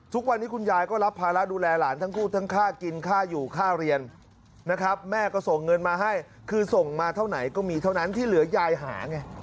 ทุกวันนี้คุณยายก็รับภาระดูแลหลานทั้งคู่ทั้งค่ากินค่าอยู่ค่าเรียนนะครับแม่ก็ส่งเงินมาให้คือส่งมาเท่าไหนก็มีเท่านั้นที่เหลือยายหาไง